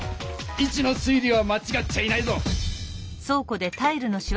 イチのすい理はまちがっちゃいないぞ！